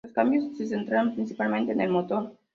Los cambios se centraron principalmente en el motor.